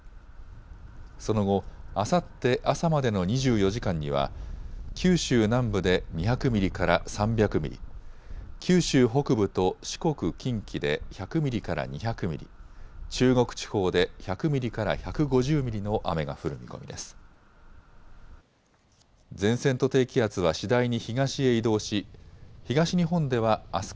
その後、あさって朝までの２４時間には九州南部で２００ミリから３００ミリ、九州北部と四国、近畿で１００ミリから２００ミリ、中国地方で１００ミリから１５０ミリの雨が降る見込みです。